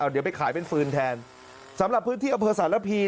เดี๋ยวไปขายเป็นฟืนแทนสำหรับพื้นที่อำเภอสารพี